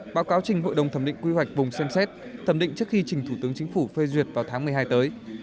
báo cáo trình hội đồng thẩm định quy hoạch vùng xem xét thẩm định trước khi trình thủ tướng chính phủ phê duyệt vào tháng một mươi hai tới